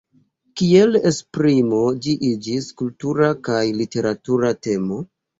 Kiel esprimo ĝi iĝis kultura kaj literatura temo.